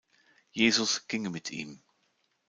Jesus ging mit ihm.